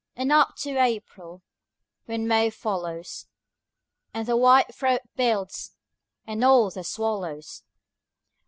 And after April, when May follows, And the whitethroat builds, and all the swallows!